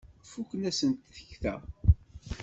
Fukent-asen tekta.